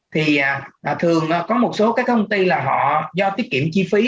thì thường có một số các công ty là họ do tiết kiệm chi phí